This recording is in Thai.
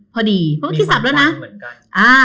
พอดีเพราะว่าที่สับแล้วนะ